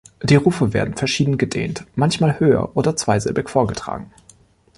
Die Rufe werden verschieden gedehnt, manchmal höher oder zweisilbig vorgetragen.